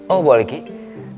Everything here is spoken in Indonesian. oh boleh kiki